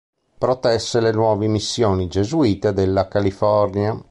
Protesse le nuove missioni gesuite della California.